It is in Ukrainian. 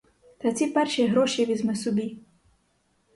Та ці перші гроші візьми собі.